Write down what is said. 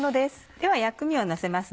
では薬味をのせます。